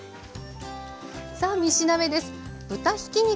さあ３品目です。